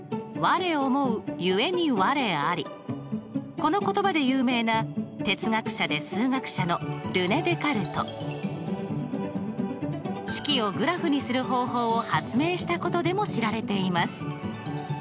この言葉で有名な哲学者で数学者の式をグラフにする方法を発明したことでも知られています。